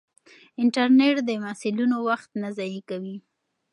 انټرنیټ د محصلینو وخت نه ضایع کوي.